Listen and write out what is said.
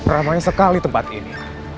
ramai sekali tempat ini